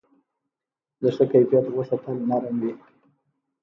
د ښه کیفیت غوښه تل نرم وي.